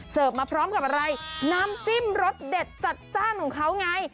มาพร้อมกับอะไรน้ำจิ้มรสเด็ดจัดจ้านของเขาไง